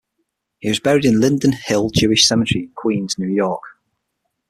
He is buried in Linden Hill Jewish Cemetery in Queens, New York.